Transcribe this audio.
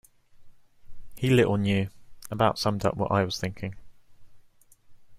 He little knew, about summed up what I was thinking.